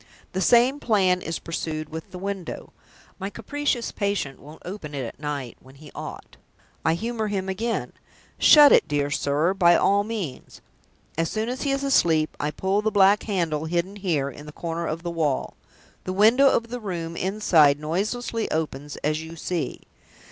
The same plan is pursued with the window. My capricious patient won't open it at night, when he ought. I humor him again. 'Shut it, dear sir, by all means!' As soon as he is asleep, I pull the black handle hidden here, in the corner of the wall. The window of the room inside noiselessly opens, as you see.